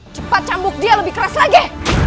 cepat cambuk dia lebih keras lagi